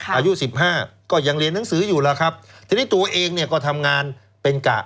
อายุสิบห้าก็ยังเรียนหนังสืออยู่แล้วครับทีนี้ตัวเองเนี่ยก็ทำงานเป็นกะ